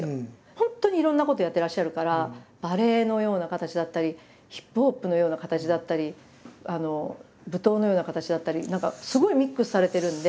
本当にいろんなことをやってらっしゃるからバレエのような形だったりヒップホップのような形だったり舞踏のような形だったり何かすごいミックスされてるんで。